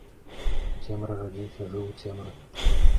У цемры радзіўся, жыў у цемры.